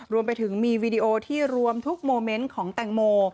รวมไปถึงมีวีดีโอที่รวมทุกโมเมนต์ของแตงโม